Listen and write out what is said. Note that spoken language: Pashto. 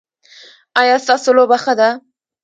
ایا ستاسو لوبه ښه ده؟